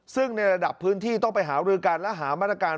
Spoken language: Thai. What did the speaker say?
ซึ่งในระดับพื้นที่ต้องไปหารือกันและหามาตรการ